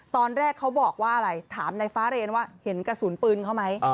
ตอนแรกเขาบอกว่าอะไรถามในฟ้าเรนว่าเห็นกระสุนปืนเขาไหม